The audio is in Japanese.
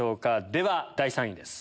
では第３位です。